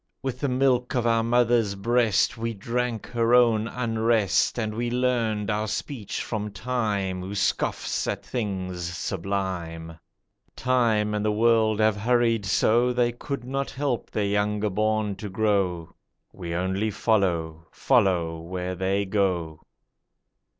With the milk of our mother's breast We drank her own unrest, And we learned our speech from Time Who scoffs at the things sublime. Time and the World have hurried so They could not help their younger born to grow; We only follow, follow where they go.